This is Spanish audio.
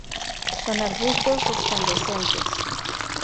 Son arbustos, escandentes.